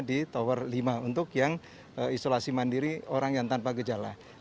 di tower lima untuk yang isolasi mandiri orang yang tanpa gejala